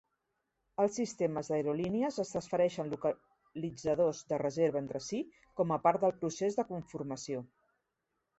Els sistemes d'aerolínies es transfereixen localitzadors de reserva entre si com a part del procés de conformació.